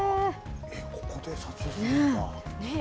ここで撮影するんだ。